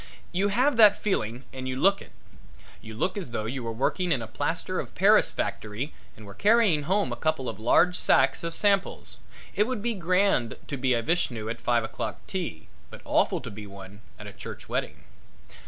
You have that feeling and you look it. You look as though you were working in a plaster of paris factory and were carrying home a couple of large sacks of samples. It would be grand to be a Vishnu at a five o'clock tea, but awful to be one at a church wedding.